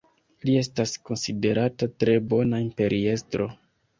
Li estas konsiderata tre bona imperiestro.